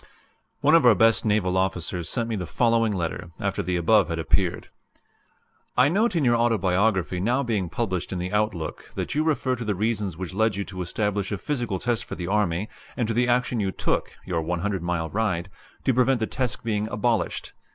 [*][*] One of our best naval officers sent me the following letter, after the above had appeared: "I note in your Autobiography now being published in the Outlook that you refer to the reasons which led you to establish a physical test for the Army, and to the action you took (your 100 mile ride) to prevent the test being abolished.